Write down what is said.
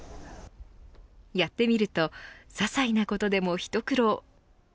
やってみるとささいなことでも一苦労。